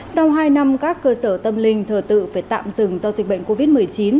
sau hai năm các cơ sở tâm linh thờ tự phải tạm dừng do dịch bệnh covid một mươi chín